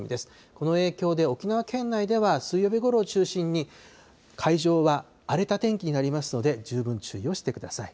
この影響で沖縄県内では水曜日ごろを中心に、海上は荒れた天気になりますので、十分注意をしてください。